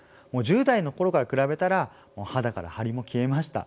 １０代の頃から比べたら肌から張りも消えました。